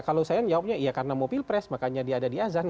kalau saya jawabnya ya karena mau pilpres makanya dia ada di azan